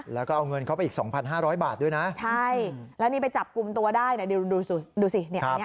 แล้วก็เอาเงินเข้าไปอีก๒๕๐๐บาทด้วยนะใช่แล้วนี่ไปจับกลุ่มตัวได้เนี่ยดูสิ